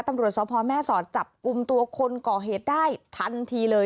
ตำรวจสพแม่สอดจับกลุ่มตัวคนก่อเหตุได้ทันทีเลย